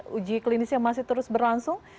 uji klinis yang masih terus berlangsung